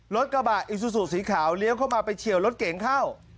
รถกระบะอิซูซูสีขาวเลี้ยวเข้ามาไปเฉียวรถเก๋งเข้า